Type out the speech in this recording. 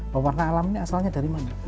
pewarna alam ini asalnya dari mana